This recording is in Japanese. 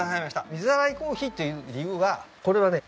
水洗いコーヒーっていう理由はこれはね